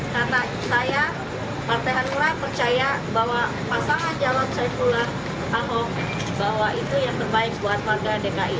karena saya pantai hanura percaya bahwa pasangan jawab saifullah ahok bahwa itu yang terbaik buat warga dki